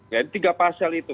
jadi tiga pasal itu